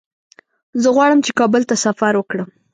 زه غواړم چې کابل ته سفر وکړم.